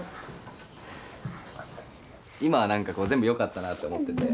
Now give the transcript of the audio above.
今は何かこう全部よかったなあと思ってて。